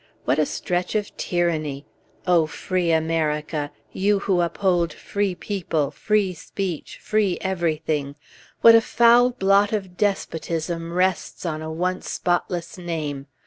What a stretch of tyranny! O free America! You who uphold free people, free speech, free everything, what a foul blot of despotism rests on a once spotless name!